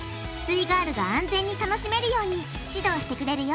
イガールが安全に楽しめるように指導してくれるよ